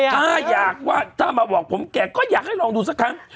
ถ้าอยากว่าถ้ามาบอกผมแก่ก็อยากให้ลองดูสักครั้ง